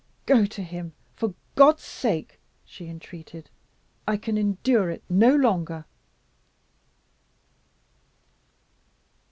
"Go to him, for God's sake!" she entreated. "I can endure it no longer."